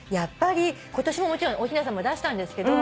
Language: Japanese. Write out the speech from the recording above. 今年ももちろんおひなさま出したんですけど。